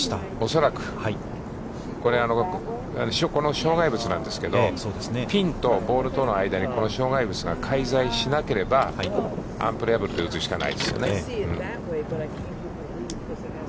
恐らく、この障害物なんですけれども、ピンとボールとの間にこの障害物が介在しなければ、アンプレアブルで打つしかないですよね。